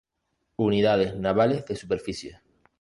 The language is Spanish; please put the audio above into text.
Unidades Navales de Superficieː